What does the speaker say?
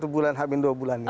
h satu bulan h dua bulannya